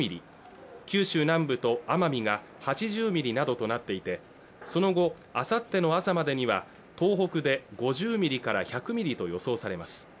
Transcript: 九州南部と奄美が８０ミリなどとなっていてその後あさっての朝までには東北で５０ミリから１００ミリと予想されます